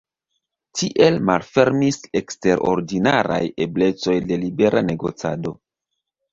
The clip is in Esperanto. Tiel malfermis eksterordinaraj eblecoj de libera negocado.